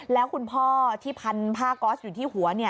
แล้วคุณพ่อที่พันผ้าก๊อสอยู่ที่หัว